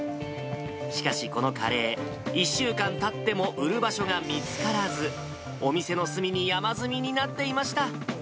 しかし、このカレー、１週間たっても売る場所が見つからず、お店の隅に山積みになっていました。